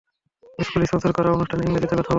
School sponsor করা অনুষ্ঠানে, ইংরেজীতে কথা বলো!